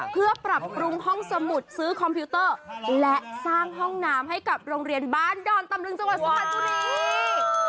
เพื่อปรับปรุงห้องสมุดซื้อคอมพิวเตอร์และสร้างห้องน้ำให้กับโรงเรียนบ้านดอนตำลึงจังหวัดสุพรรณบุรี